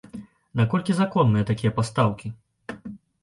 Наколькі законныя такія пастаўкі?